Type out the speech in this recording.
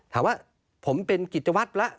ถามว่าผมเป็นกิจวัตรแล้ว